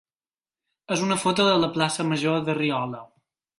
és una foto de la plaça major de Riola.